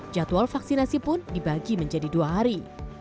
jadwal vaksinasi pun dibagi menjadi dua hari